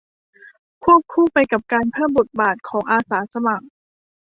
ควบคู่ไปกับการเพิ่มบทบาทของอาสาสมัคร